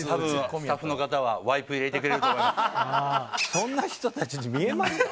そんな人たちに見えますか？